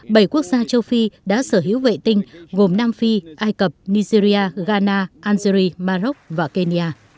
bảy quốc gia châu phi đã sở hữu vệ tinh gồm nam phi ai cập nigeria ghana algeria maroc và kenya